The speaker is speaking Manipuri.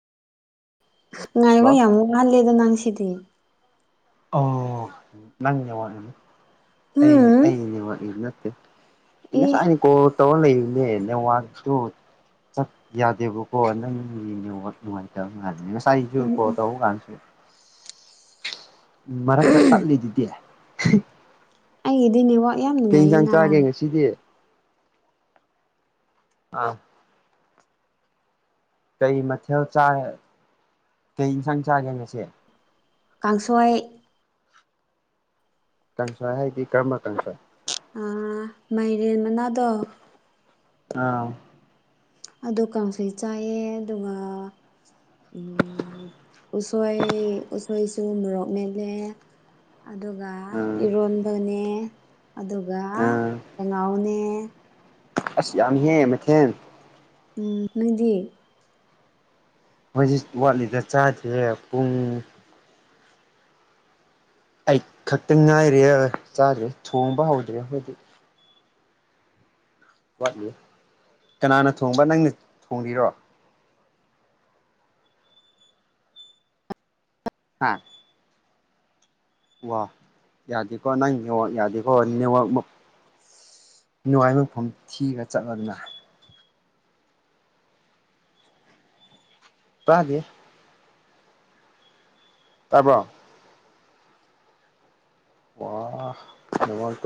ꯉꯥꯏꯕ ꯍꯜꯂꯣ ꯌꯥꯝ ꯉꯥꯜꯂꯦꯗ ꯅꯪ ꯁꯤꯗꯤ ꯑꯥ ꯅꯪꯅꯦ ꯋꯥꯠꯂꯤꯗꯣ ꯑꯩ ꯎꯝ ꯑꯩꯅꯦ ꯋꯥꯠꯂꯤ ꯅꯠꯇꯦ꯫ ꯑꯩ ꯏ ꯉꯁꯥꯏꯅ ꯀꯣꯜ ꯇꯧꯔ ꯂꯩꯔꯨꯕꯅꯦ ꯅꯦꯠꯋꯥꯔꯛꯇꯣ꯫ ꯆꯥ ꯌꯥꯗꯦꯕꯥ ꯀꯣ ꯅꯪꯒꯤ ꯅꯦꯠꯋꯥꯛ ꯅꯨꯡꯉꯥꯏꯇꯕ ꯃꯥꯜꯂꯤ ꯉꯁꯥꯏꯖꯨ ꯎꯝ ꯀꯣꯜ ꯎꯝ ꯇꯧꯕꯀꯥꯟꯗꯁꯨ꯫ ꯃꯔꯛꯇ ꯄꯠꯂꯤꯗꯨꯗꯤ꯫ ꯑꯩꯒꯤꯗꯤ ꯅꯦꯠꯋꯥꯛ ꯌꯥꯝ ꯅꯨꯡꯉꯥꯏꯌꯦ ꯅꯥ꯫ ꯁꯤꯗꯤ ꯑꯥ ꯀꯩ ꯃꯊꯦꯜ ꯆꯥꯔꯦ ꯀꯩ ꯏꯟꯁꯥꯡ ꯆꯥꯒꯦ ꯉꯁꯤ ꯀꯥꯡꯁꯣꯏ ꯀꯥꯡꯁꯣꯏ ꯍꯥꯏꯗꯤ ꯀꯔꯝꯕ ꯀꯥꯡꯁꯣꯏ ꯑꯥ ꯃꯥꯏꯔꯦꯟ ꯃꯅꯥꯗꯣ ꯑꯥ ꯑꯗꯨ ꯀꯥꯡꯁꯣꯏ ꯆꯥꯏꯌꯦ ꯑꯗꯨꯒ ꯎꯝ ꯎꯁꯣꯏ ꯎꯁꯣꯏꯁꯨ ꯃꯣꯔꯣꯛ ꯃꯦꯠꯂꯦ ꯑꯗꯨꯒ ꯑꯥ ꯏꯔꯣꯟꯕꯅꯦ ꯑꯗꯨꯒ ꯑꯥ ꯀꯪꯉꯧꯅꯦ ꯑꯁ ꯌꯥꯝꯃ‌ꯦꯍꯦ ꯃꯊꯦꯟ ꯎꯝ ꯅꯪꯗꯤ ꯑꯩꯈꯣꯗꯤ ꯋꯥꯠꯂꯤꯗ ꯆꯥꯗ꯭ꯔꯤꯌꯦ ꯄꯨꯡ ꯑꯩꯠ ꯈꯛꯇ ꯉꯥꯏꯔꯤꯌꯦ ꯆꯥꯗ꯭ꯔꯤ ꯊꯣꯡꯕ ꯍꯧꯗ꯭ꯔꯤ ꯑꯩꯈꯣꯏꯗꯤ ꯋꯥꯠꯂꯤ ꯀꯅꯥꯅ ꯊꯣꯡꯕ ꯅꯪꯅ ꯊꯣꯡꯉꯤꯔꯣ ꯍꯥꯥ ꯋꯥ ꯌꯥꯗꯦꯀꯣ ꯅꯪ ꯅꯦꯠꯋꯥꯛ ꯌꯥꯗꯦꯀꯣ ꯅꯦꯠꯋꯥꯛ ꯅꯨꯡꯉꯥꯏꯕꯐꯝ ꯊꯤꯔ ꯆꯠꯂꯣꯗꯅ ꯇꯥꯗꯦ ꯇꯥꯕ꯭ꯔꯣ ꯋꯥꯍ ꯀꯥꯏꯗ ꯃꯥꯡꯈ꯭ꯔꯦ